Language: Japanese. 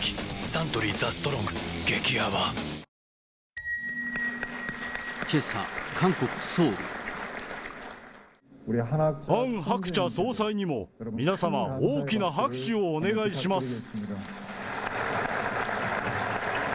ハン・ハクチャ総裁にも皆様、大きな拍手をお願いします。